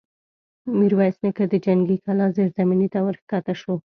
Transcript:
ميرويس نيکه د جنګي کلا زېرزميني ته ور کښه شو.